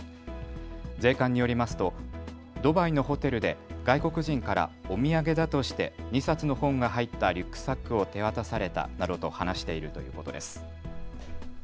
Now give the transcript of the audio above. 税関によりますとドバイのホテルで外国人からお土産だとして２冊の本が入ったリュックサックを手渡されたなどと話しているということです。